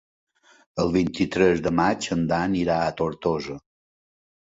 El vint-i-tres de maig en Dan irà a Tortosa.